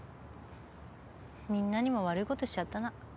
みんなにも悪いことしちゃったな。